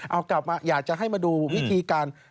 เอากลับมาอยากจะให้มาดูวิธีการ